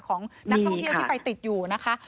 ของนักท่องเที่ยวที่ไปติดอยู่นะคะ